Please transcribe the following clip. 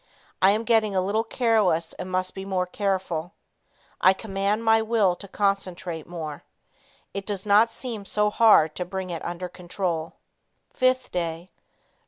I am getting a little careless and must be more careful. I command my will to concentrate more. It does not seem so hard to bring it under control. 5th Day.